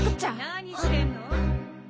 何してんの！？